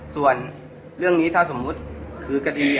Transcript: ส่วนเรื่องนี้ถ้าสมมุติคือคดี